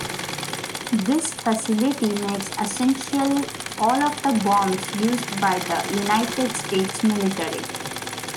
This facility makes essentially all of the bombs used by the United States military.